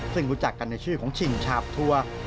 ซึ่งรู้จักกันในชื่อของชิงชาบทัวร์